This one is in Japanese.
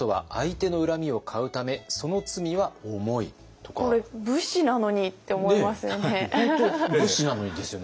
ほかにもこれ武士なのにって思いますよね。